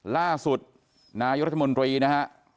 ล่าสุดนายรัฐมนตรีนะฮะ